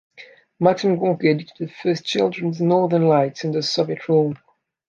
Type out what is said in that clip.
Maksim Gorky edited the first children's, "Northern Lights", under Soviet rule.